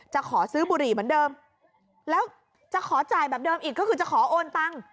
จะขอซื้อบุหรี่เหมือนเดิมแล้วจะขอจ่ายแบบเดิมอีกก็คือจะขอโอนตังค์